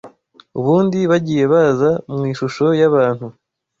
ubundi bagiye baza mu ishusho y’abantu